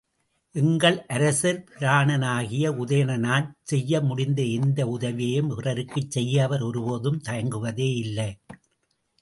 எங்கள் அரசர் பிரானாகிய உதயணனாற் செய்ய முடிந்த எந்த உதவியையும் பிறருக்குச் செய்ய அவர் ஒருபோதும் தயங்குவதே இல்லை.